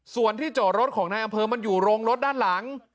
ส่วนที่จอดรถของนายอำเภอมันอยู่โรงรถด้านหลัง